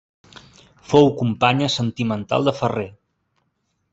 Fou companya sentimental de Ferrer.